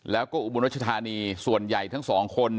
แล้วก็อุบลรัชธานีส่วนใหญ่ทั้งสองคน